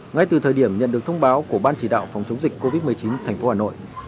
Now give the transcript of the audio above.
ngay từ thời điểm nhận được thông báo của ban chỉ đạo phòng chống dịch covid một mươi chín thành phố hà nội